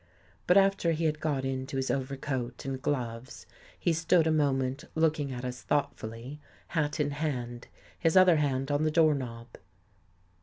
But, after he had got into his overcoat and gloves, he stood a moment looking at us thoughtfully, hat in hand, his other hand on the door knob.